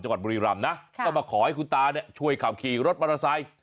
จักรบุรีรัมป์นะมาขอให้คุณตาช่วยขับขี่รถบาร์ไทย